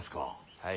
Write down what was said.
はい。